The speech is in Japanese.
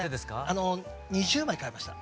あの２０枚買いました。